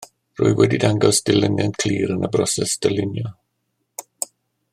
Rwyt wedi dangos dilyniant clir yn y broses dylunio